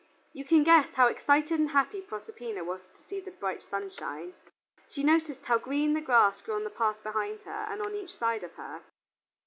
You can guess how excited and happy Proserpina was to see the bright sunshine. She noticed how green the grass grew on the path behind and on each side of her.